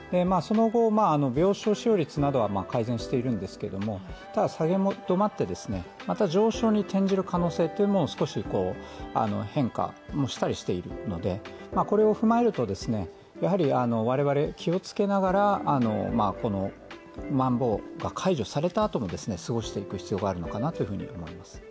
その後、病床使用率などは改善しているんですけどただ、下げ止まってまた上昇に転じる可能性も少し変化もしたりしているのでこれを踏まえると我々、気をつけながら、まん防が解除されたあとも過ごしていく必要があるのかなと思います。